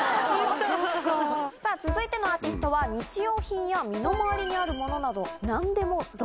さぁ続いてのアーティストは日用品や身の回りにあるものなど。